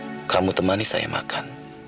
kalau kamu temani saya makan